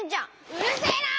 うるせえな！